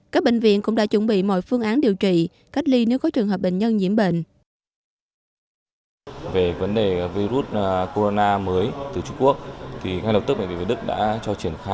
các bệnh viện cũng đã chuẩn bị mọi phương án điều trị cách ly nếu có trường hợp bệnh nhân nhiễm bệnh